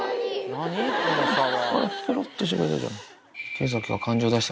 あらペロっとしてくれてたじゃん。